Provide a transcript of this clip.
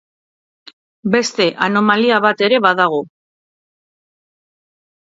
Beste anomalia bat ere badago.